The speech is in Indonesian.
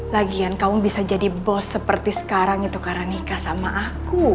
lagian kamu bisa jadi bos seperti sekarang itu karena nikah sama aku